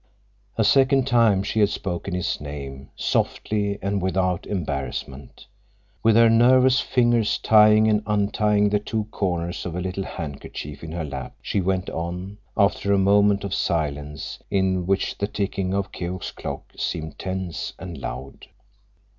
A second time she had spoken his name, softly and without embarrassment. With her nervous fingers tying and untying the two corners of a little handkerchief in her lap, she went on, after a moment of silence in which the ticking of Keok's clock seemed tense and loud.